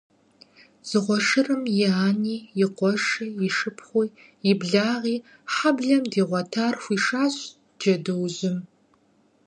Дзыгъуэ шырым и ани, и къуэши, и шыпхъуи, и благъи, хьэблэм дигъуэтар хуишащ джэдуужьым.